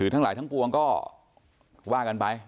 ทั้งหลายทั้งปวงก็ว่ากันไป